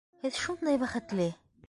Һеҙ шундай бәхетле!